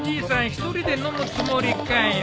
１人で飲むつもりかよ。